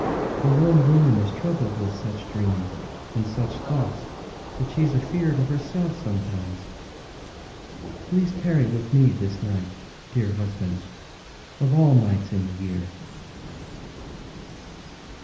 A lone woman is troubled with such dreams and such thoughts that sheâs afeard of herself sometimes. Pray tarry with me this night, dear husband, of all nights in the year.